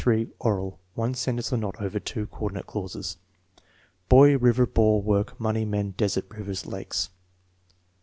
Oral. 1 sentence or not over coordi nate clauses.) Boy, river, ball; work, money, men; desert, rivers, lakes.